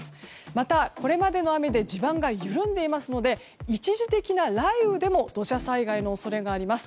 また、これまでの雨で地盤が緩んでいますので一時的な雷雨でも土砂災害の恐れがあります。